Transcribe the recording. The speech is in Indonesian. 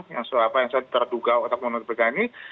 yang saya terduga otak pembunuhan berencana ini